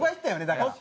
だから。